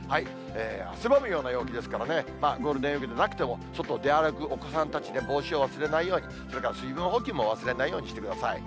汗ばむような陽気ですからね、ゴールデンウィークじゃなくても、外出歩くお子さんたち、帽子を忘れないように、それから水分補給も忘れないようにしてください。